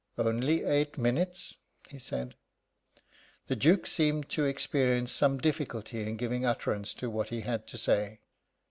"Only eight minutes," he said. The Duke seemed to experience some difficulty in giving utterance to what he had to say.